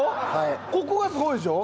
コクがすごいでしょ。